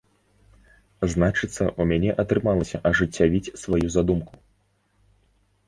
Значыцца, у мяне атрымалася ажыццявіць сваю задумку.